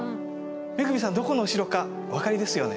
恵さんどこのお城かお分かりですよね？